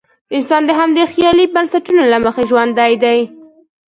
انسان د همدې خیالي بنسټونو له مخې ژوند کوي.